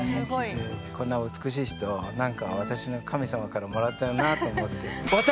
こんな美しい人なんか私の神様からもらったらなと思って。